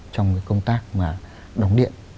trong công tác đóng điện